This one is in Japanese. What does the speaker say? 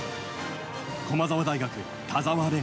駒澤大学、田澤廉。